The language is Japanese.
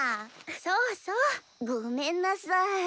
そうそう。ごめんなさい！